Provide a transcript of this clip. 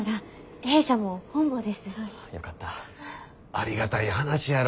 ありがたい話やろ。